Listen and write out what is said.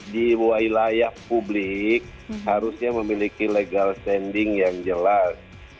diwawahi layak publik harusnya memiliki legal standing yang jelas